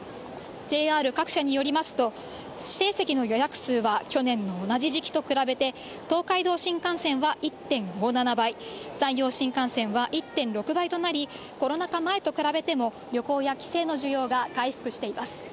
ＪＲ各社によりますと、指定席の予約数は、去年の同じ時期と比べて、東海道新幹線は１．５７倍、山陽新幹線は１．６倍となり、コロナ禍前と比べても、旅行や帰省の需要が回復しています。